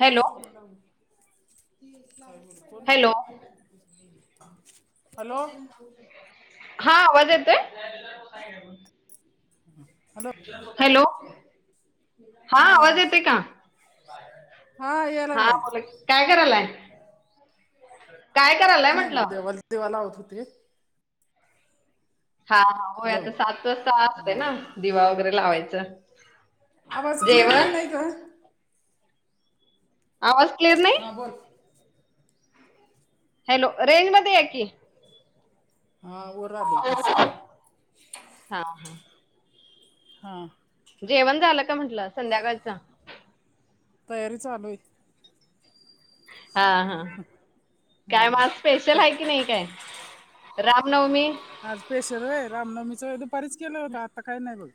Hello! [unintelligible] कोणेय? Hello [unintelligible] हा आवाज येतोय? हॅलो! हॅलो! हा आवाज येतोय का? हा बोला की. काय करायलाय? करायलाय काय नाही म्हटलं बघ देवाला दिवा लावत होते. हा हा होय हॅलो आता सासरच आसतय हा ना, दिवा वगैरे लावायचं. आवाज क्लिअर जेवण येईनाई ग. आवाज क्लिअर नाय? हा बोल. हॅलो! रेंज मध्ये या की. हा वर आलेस की [unintelligible] हांव. हां. जेवण झालं का म्हटलं संध्याकाळच. तयारी चालूय. हा हा, काय म हा आज तू स्पेशल हाय की नई काय? रामनवमी आज पेशलं व्हय, रामनवमीच दुपारीच केलं होतं आत्ता काही नाही बघं.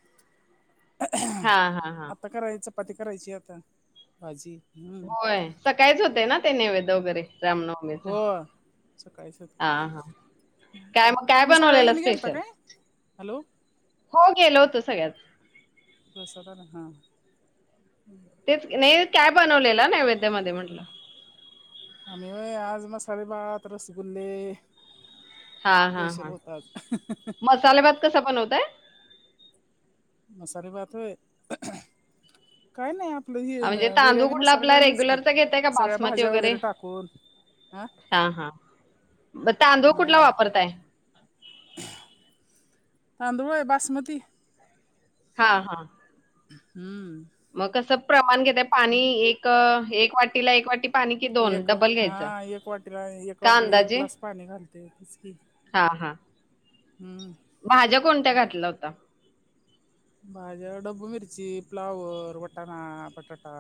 हा हा हा आता करायच, चपाती करायची आता भाजी. हम्म होय सकाळीच होते ना ते नैवेद्य वगैरे रामनवमीच, हो सकाळीच होती हा हा. काय मग काय तुम्ही बनवलेलं सगळेजण गेलता स्पेशल? काय हॅलो हो गेलो होतो सगळ्याचं प्रसाद आन, हा. तेच, नाही काय बनवलेलं नैवेद्यामध्ये म्हटलं? आम्ही व्हयं, आज मसाले भात, रसगुल्ले. स्पेशल होत आज ह् ह् ह्. मसालेभात कसा बनवताय? मसालेभात होय? [inaudible] काय नाही आपलं हे म्हणजे अ तांदूळ बिर्याणी कुठला मसाला आपला घालुनचं की, रेग्युलरचा घेताय का सगळ्या बासमती भाज्या वगैरे टाकून. हा. हा हा, म तांदूळ कुठला हा वापरताय? तांदूळ व्हयं, बासमती. हा हा. हम्म. मग कसं प्रमाण घेता पाणी? एक, एक वाटीला एक वाटी पाणी की एक डबल हा घ्यायचं? एक वाटीला एक का वाटीला एक ग्लास पाणी घालता येतच की. हा हा. हम्म. भाज्या कोणत्या घातल होता? भाज्या डब्बू मिरची, प्लावर, वटाणा, बटाटा.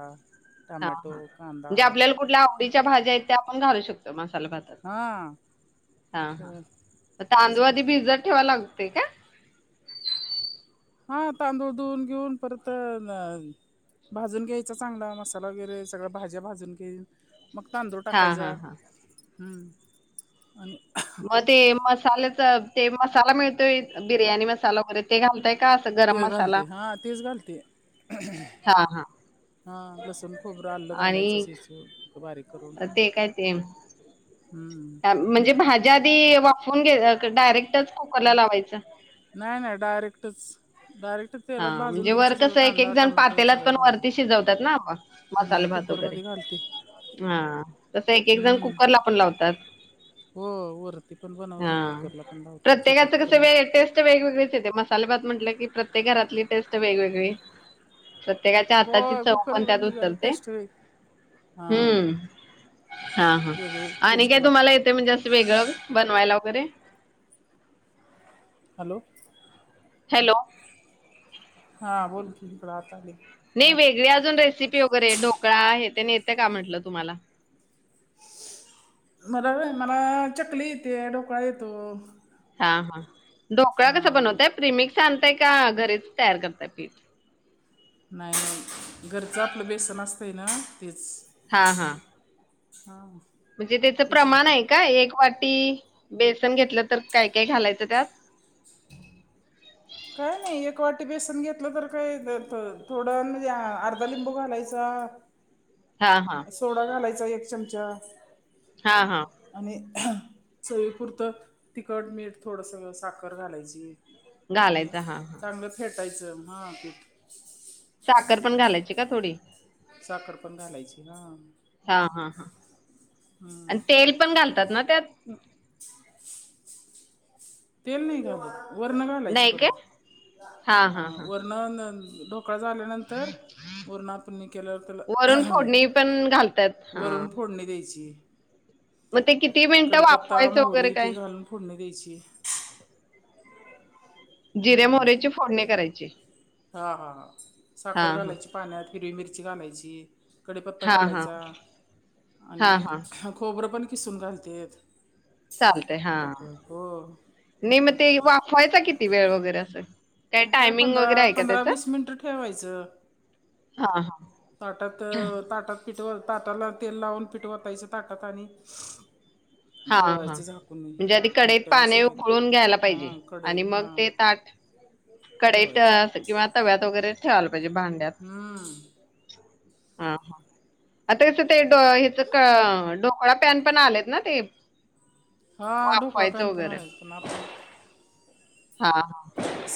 हा हा टमॅटो कांदा म्हणजे आपल्याला कुठल्या आवडीच्या भाज्या आहेत त्या पण घालू शकतो मसाला भातात. हा हा हा तांदूळ अ, आदी भिजत ठेवाय लागतोय का? हा तांदूळ धुवून घेऊन परत अ भाजून घ्यायचा चांगला मसाला वगैरे सगळ्या भाज्या भाजून घेईन. मग तांदळु हा टाकायचा हा हा. हम आणि मग ते मसाल्याचा ते मसाला मिळतोय बिर्याणी मसाला वगैरे ते घालताय का असं गरम ते मसाला? घालते हा तेच घालते हा हा. हा लसूण, खोबरं, आलं घालायचं आणि चेचून बारीक करून. ते काय ते? हम्म. म्हणजे भाज्या आधी वाफवून घ्याय डायरेक्टच कुकरला लावायच? नाही नाही डायरेक्टच, डायरेक्ट. तेलात हा. भाजून म्हणजे घ्यायच वर सगळ कसं एक कांदा, एक जण टमाटो पातेलात सगळ्या पण भाज्या, वरती शिजवतात ना मसाले नाही भात वगैरे. कुकरमध्ये घालते. हा, तस एक जण हम्म कुकर ला पण लावतात. हो वरती पण बनवते, हा कुकरला पण लावते, छोट्या कुकर म वेगवेगळेचे एते, मसाले भात म्हटलं की प्रत्येक घरातली टेस्ट वेगवेगळी प्रत्येकाच्या हाताची होय चव कुकर पण त्यात मधली जरा उतरते. टेस्ट वेग हा हम्म, हा हा वेगळी आणि टेस्ट कायं लागते तुम्हाला ती येतंय म्हणजे असं वेगळं, बनवायला वगैरे? हॅलो. हॅलो. हा बोल कि, इकडं आता आलेय. नाही वेगळी अजून रेसिपी वगैरे ढोकळा हे तेन येते का म्हटलं तुम्हाला.? मला व्हंय, मला चकली येते ढोकळा येतो. हा हा, ढोकळा कसा बनवतांय? प्रिमिक्स आणतांय का घरीच तयार करताय पीठ.? नाही नाही, घरचं आपलं बेसन असतंय ना,, तेच हा हा. हा. म्हणजे त्याचं तेच प्रमाण घेते आहे काय? एक वाटी बेसन घेतलं तर काय काय घालायचं त्यात.? काय नाही, एक वाटी बेसन घेतलं तर काय थोडं म्हणजे अर्धा लिंबू घालायचा हा हा. सोडा घालायचा एक चमचा. हा हा. आणि चवीपुरतं तिखट, मीठ थोडंस साखर घालायची. आणि घालायचा हा हा चांगलं फेटायचं हां पिठ साखर पण घालायची का थोडी.? साखर पण घालायची,, हा. हा हा हा, हम्म आणि तेल पण घालतात ना त्यात.? [inaudible] तेल नाही घालत,, वरणं घालायचं नाही काय परत,, हा वर न. ढोकळा झाल्यानंतर पूर्ण आपण हे केल्यावर वरून त्याला फोडणी पण घालतात हा वरून फोडणी द्यायची. मग ते किती मिनिटं कडीपत्ता, वाफवायचं वगैरे मोहरी काय ते घालून फोडणी द्यायची. ह [unintelligible] जिरे मोहर्याची फोडणी करायची. हा हा हा, हा साखर हा घालायची पाण्यात हिरवी मिरची घालायची. कडीपत्ता हा हा घालायचा, आणि हा हा खोबरं पण किसून घालतेत. चालतंय हा,, डोकं हो ने म ते मग काय वाफवायचा किती वेळ वगैरे असं काय टायमिंग पंधरा, वगैरे आहे का पंधरा त्याचं वीस मिनिटं ठेवायचं. हा हा. ताटात... ताटात पिठवत ताटाला तेल लावून पिठ वतायचं ताटात आणि हा हा,, ठेवायचं झाकून म्हणजे आधी कढईत मोठं असं पानी उकळून घ्यायला काहीतरी पाहिजे, हां कढई आणि मग हां ते ताट कढईत ठेवायचं किंवा तव्यात वगैरे ठेवाला पाहिजे भांड्यात. हम्म. हा हा. आता कसं ते हेचं ढोकळा पॅन पण आलेत ना ते हा ढोकळा वाफवायचं पॅन पण वगैरे आलेत, पण आपण हा हा.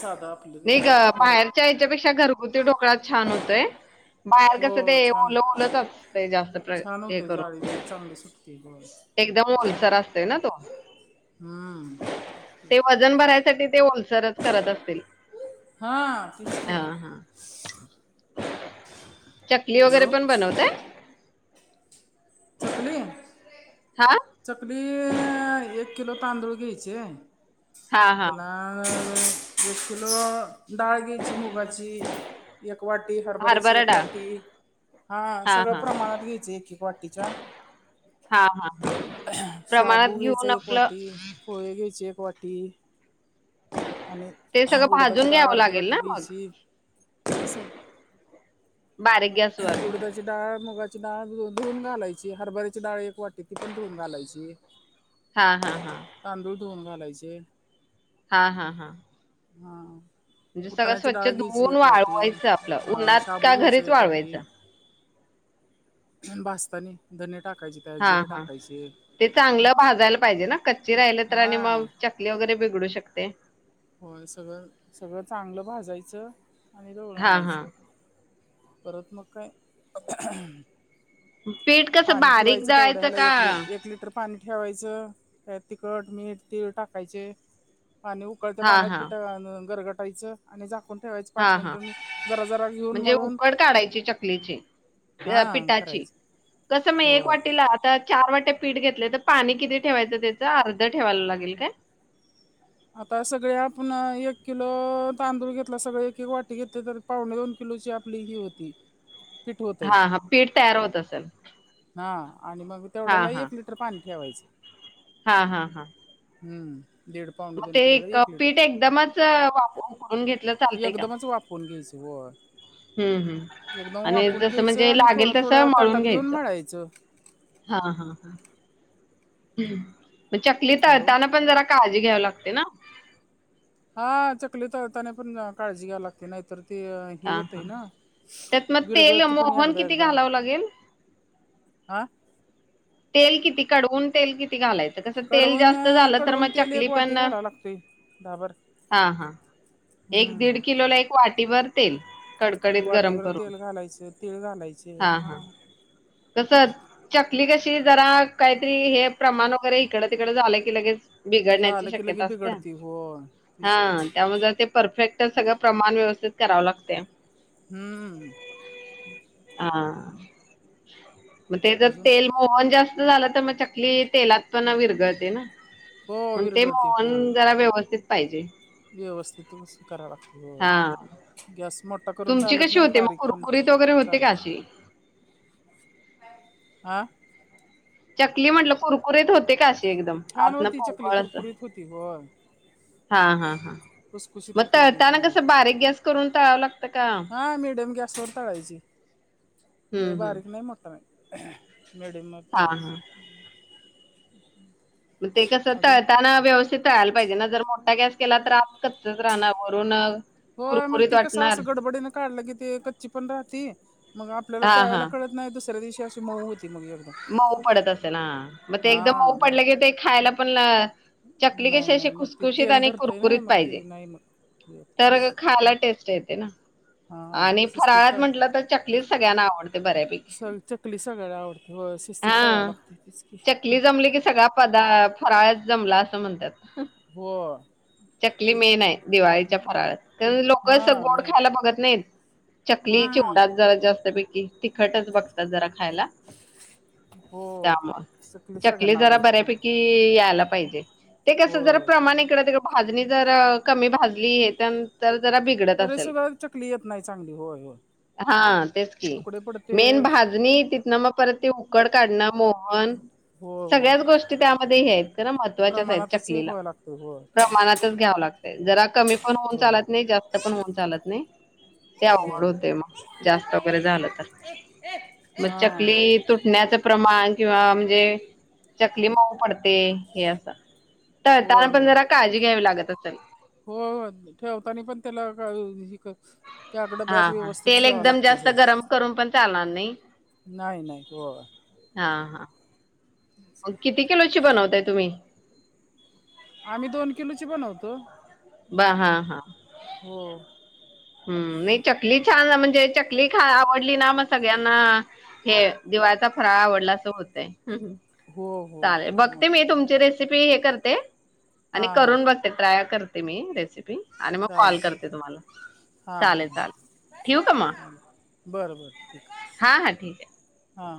साधं आपलं नाही ग घरात घरात बाहेरच्या यायच्या पेक्षा घरगुती ढोकळा छान होतोय बाहेर हो कसं ते छान ओलं ओलंच असतय जास्त प्र छान हे होतय जाळी करून बिळी चांगली सुटते गोळी एकदम ओलसर असतंय ना तो हम ते वजन भरायसाठी ते ओलसरच करत असतील हा तेच की हा हा चकली वगैरे हॅलो पण बनवताय चकली हा चकली एक किलो तांदूळ घ्यायचे हा हा त्याला आ एक किलो डाळ घ्यायची मुगाची, एक वाटी हरभऱ्याची, हरभरा एक डाळ वाटी हा सगळं प्रमाणात घ्यायचं एक, एक वाटी हा हा हा. शाबू प्रमाणात घ्यायच घेऊन एक आपलं वाटी पोहे घ्यायचे एक वाटी आणि ते सगळं उडदाची भाजून डाळ घ्यावं अर्धी लागेल ना वाटी मग घ्यायची हे सगळं बारीक म गॅसवर उडदाची ची डाळ मुगाची धुवून घालायची, हरभऱ्याची डाळ एक वाटी ती पण धुवून घालायची हा, हा, हा तांदूळ धूवून घालायचे हा, हा, हा हा म्हणजे सगळं फूटाण्याची स्वच्छ डाळ घ्यायची धुवून एक वाटी, वाळवायचं आपलं अ उन्हात शाबू का घ्यायचं घरीच एक वाळवायचं छान भाजत्यानी धने टाक हा, हा ते चांगलं भाजायला पाहिजे ना कच्ची राहिलं तर आणि मग हां चक चकली वगैरे बिघडू शकते होय सगळं, सगळं चांगलं भाजायचं आणि दळून हा हा आणायचं परत मग काय पीठ कसं पाणी बारीक ठेवायच तेवढ्या दळायचं याला का एक लि एक लिटर पाणी ठेवायचं त्यात तिखट, मीठ, तीळ टाकायचे पाणी उक उकळत्या हा पाण्यात हा पिठ घालून गरगटायच आणि झाकून ठेवायच पाच हा हा मिनिटं जरा, जरा घेऊन म्हणजे मळून उकड काढायची चकलीची हा अ, पिठाची करायचं कसं मग हो एक वाटीला तर चार वाट्या पीठ घेतले तर पाणी किती ठेवायचं त्याच अर्ध ठेवायला लागेल काय आता सगळे आपण एक किलो तांदूळ घेतलं सगळे एक, एक वाटी घेतलं तर पावणे दोन किलोची आपली ही होती पीठ होतंय हा, हा पीठ तयार होत असल हा आणि मग तेवढ्याला हा एक लिटर पाणी ठेवायचं हा, हा, हा हम्म दीड पावणे मग दोन ते किलोला एक लिटर पीठ एकदमच वाफवून उकळून घेतलं चालतय का कोण घ्यायचं [unintelligible] हम्म हम्म एकदम आणि वाफून जसं घ्यायचं म्हणजे आणि थोडं लागेल थोडं ताटात घेऊन मळायचं हां, हां, हां मग चकली हॅलो तळताना पण जरा काळजी घ्यावी लागते ना 'हा चकली तळताना पण काळजी घ्यावी लागते, ' नाहीतर ती- हे हा होतय हा ना त्यात मग तेल विरघळती पण मोहन एकदा किती एकदा- घालावं लागेल? हा- तेल किती कढवून तेल किती घालायचं. - कसं तेल कडवून जास्त झालं तर मग कडवून तेल चकली एक वाटी पण घालावं लागतय दहाभर हा हा- एक दीड हम्म किलोला एक वाटीभर तेल. - वाटीभर तेल घालायचं, तीळ घालायचे हा- तसंच चकली कशी जरा काहीतरी हे प्रमाण वगैरे इकडं तिकडं, झालं की लगेच- बिघडण्याची झालं की लगे शक्यता असत्या बिघडती हो हा तेच की त्यामुळं जरा ते- परफेक्ट सगळं प्रमाण व्यवस्थित करावं लागत्या. हुं हा हा मग ते जर अजून तेल मोहन जास्त झालं तर मग चकली तेलात पण विरघळते ना. हो मग ते विरघळते मोहन हो हो जरा व्यवस्थित पाहिजे. व्यवस्थित सु करायला हा लागतय गॅस मोठ मोठं, करून, तुमची चालत कशी नाही होते मग बारीक पण कुरकुरीत वगैरे होते का चालत अशी? आ चकली म्हटलं कुरकुरीत होते का अशी एकदम. छान आतनं होती चकली पोकळ असं? कुरकुरीत होती होय हा हा हा खुसखुशीत मग होती आणि तळताना चांगली. कसं बारीक गॅस करून तळावं लागत. हा मीडियम गॅसवर तळायची लई, हं, हं. बारीक नाही मोठा नाही मीडियम वर हां, तळायची. हां. मग ते कसं अजून तळताना व्यवस्थित. तळायला पाहिजे नाही तर मोठा गॅस केला आत कच्च राहणार वरून होय मग कुरकुरीत ती कसं वाटणार. असं गडबडीने काढलं की ते कच्ची पण राहती मग आपल्याला त्या हां, वेळेला हां. कळत. नाही दुसऱ्या दिवशी अशी मऊ होती मग एकदम मऊ पडत असेल हा मग ते एकदा हा मऊ मग पडलं की ते खायला पण चकली नाही कशी अशी नाही मग ती खुसखुशीत तेल आणि धरतय ना कुरकुरीत मग पाहिजे ते नाही मग. तर. खायला टेस्ट येते ना. हा आणि शिस्तीत फराळात तळ म्हटलं तर चकलीच सगळ्यांना आवडते बऱ्यापैकी. सग चकली सगळ्याना आवडते होय शिस्तीत तळावं हां. लागते. चकली जमली की सगळा पदा फराळच जमला असं म्हणतात. हो चकली मेन आहे दिवाळीच्या फराळात लोक हा गोड मी खायला बघत नाहीत. चकली हा चिवडाच जरा जास्तपैकी तिखटच बघतात जरा खायला. हो चकलीच सगळ्यांना आवडते मग. कि यायला पाहिजे ते कसं होय जरा होय प्रमाण इकडे तिकडं. भाजणी जर कमी भाजलींत जरा बी तर सुध्दा चकली येत नाही चांगली होय होय हा तेच की तुकडे पडते मेन भाजणी ति मग परत ते उकड काढणं मोहन. होय होय सगळ्याच गोष्टी त्यांमध्ये हे आहेत महत्त्वाच्याच आहेत प्रमाणातच चकलीला व्हावं लागते होय प्रमाणात. घ्याव लागत जरा कमी पण होऊन होय चालत नाही जास्त पण होऊन चालत नाही ते होय अवघड होय होतंय मग जास्त वगैरे झालं तर मग हा चकली. तुटण्याचं प्रमाण किंवा म्हणजे चकली मऊ पडते हे असं. तळताना होय पण जरा काळजी घ्यावी लागत असेल? हो हो ठेवताना पण त्याला काय ही त्याकड हा ब्याच हा व्यवस्थित तेल ठेवावं एकदम लागतंय जास्त हो, गरम करून पण चालणार नाही नाही नाही हो. हा हा, मग किती किलोची बनवताय तुम्ही? आम्ही दोन किलोची बनवतो. बा हा हा हो हम् नाही चकली छान म्हणजे चकली खा आवडली ना मग सगळ्यांना, की दिवाळाचा फराळ आवडला असं होतंय. हो हो चालेल मग बघते मी काय तुमची रेसिपी हे करते, आणि हां हां करून बघते ट्राय करते मी रेसिपी आणि मग कॉल चालतं आहे करते की तुम्हाला. हां चालेल हां चालेल ठेवू का मग? बर बर ठीक हा हा ठीक ये. हा